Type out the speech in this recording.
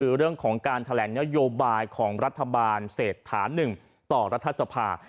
คือเรื่องของการแถลงนโยบายของรัฐบาลเศรษฐานหนึ่งต่อรัฐสภา